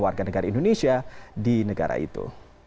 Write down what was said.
warga negara indonesia di negara itu